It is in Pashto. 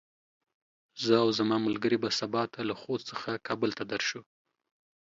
زه او زما ملګري به سبا ته له خوست څخه کابل ته درشو.